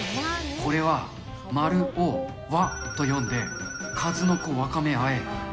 これは〇をわと読んで、数の子わかめあえ。